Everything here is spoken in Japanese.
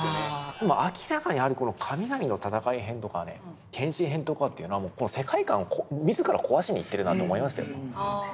明らかにこの「神々の闘い編」とか「天使編」とかというのは世界観を自ら壊しに行ってるなと思いましたよ。